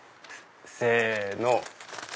せの。